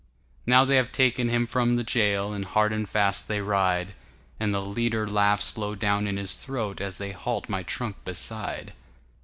Now they have taken him from the jail, And hard and fast they ride, And the leader laughs low down in his throat, As they halt my trunk beside.